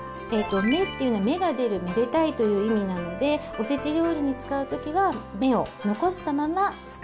芽っていうのは芽が出る「めでたい」という意味なのでおせち料理に使う時は芽を残したまま使います。